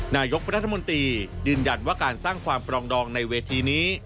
นายกรัฐมนตรียืนยันว่าการสร้างความปรองดองในเวทีนี้